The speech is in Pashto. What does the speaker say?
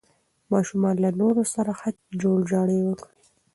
ماشومان له نورو سره ښه جوړجاړی وکړي.